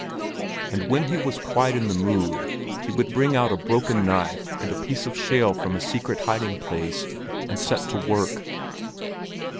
And when he was quite in the mood, he would bring out a broken knife and a piece of shale from a secret hiding place, and set to work.